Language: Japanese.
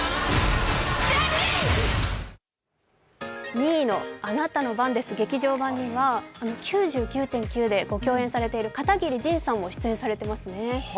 ２位の「あなたの番です劇場版」には「９９．９」で共演されている片桐仁さんも出演されてますね。